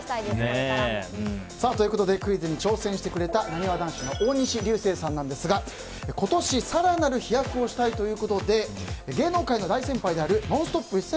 これからも。ということでクイズに挑戦してくれた、なにわ男子の大西流星さんなんですが今年、更なる飛躍をしたいということで芸能界の大先輩である「ノンストップ！」